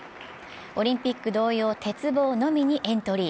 オリンピック同様、鉄棒のみにエントリー。